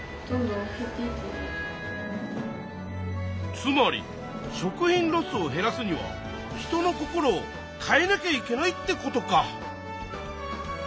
つまり食品ロスを減らすには人の心を変えなきゃいけないってことか。